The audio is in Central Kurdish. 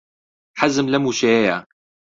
حەزم لەم وشەیەیە.